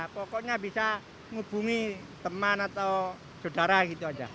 pokoknya bisa hubungi teman atau saudara gitu aja